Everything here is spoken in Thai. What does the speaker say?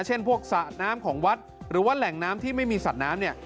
เช่นสะน้ำของวัดหรือแหล่งน้ำที่ไม่มีสัดน้ำ